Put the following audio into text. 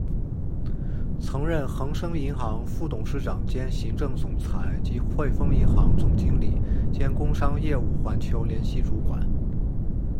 曾任恒生银行副董事长兼行政总裁及汇丰银行总经理兼工商业务环球联席主管。